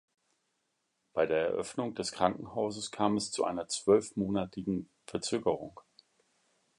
Bei der Eröffnung des Krankenhauses kam es zu einer zwölfmonatigen Verzögerung.